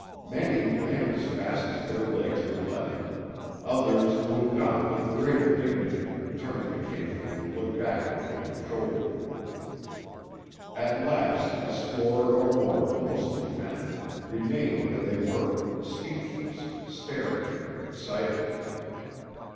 Many ran as fast as their legs would let them; others moved off with greater dignity, turning occasionally to look backward over the shoulder. At last a score or more, mostly men, remained where they were, speechless, staring, excited.